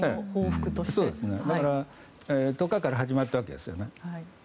だから１０日から始まったわけですね。